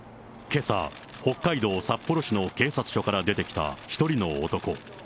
けさ、北海道札幌市の警察署から出てきた一人の男。